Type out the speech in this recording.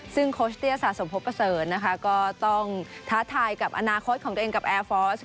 ซึ่งโคชเตี้ยสะสมพบประเสริญนะคะก็ต้องท้าทายกับอนาคตของตัวเองกับแอร์ฟอร์ส